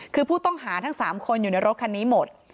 คือผู้ต้องหาทั้ง๓คนอยู่ในรถคันนี้หมด